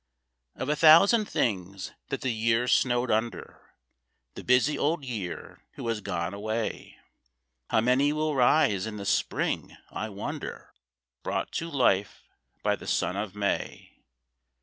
Of a thousand things that the Year snowed under The busy Old Year who has gone away How many will rise in the Spring, I wonder, Brought to life by the sun of May?